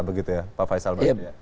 begitu ya pak faisal